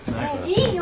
いいよ。